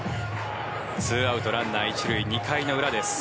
２アウトランナー１塁２回の裏です。